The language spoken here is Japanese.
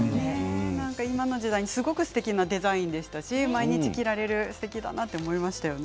今の時代にすごくすてきなデザインでしたし毎日着られるすてきだなと思いました。